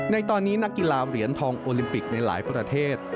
ในตอนนี้นักกีฬาเหรียญทองโอลิมปิกในหลายประเทศ